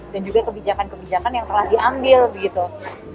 dan juga kebijakan kebijakan yang telah diambil